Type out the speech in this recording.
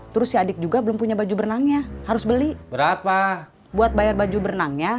terus si adik juga belum punya baju berenangnya harus beli buat bayar baju berenangnya